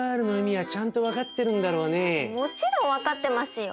もちろん分かってますよ。